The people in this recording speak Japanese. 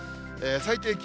最低気温。